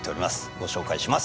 ご紹介します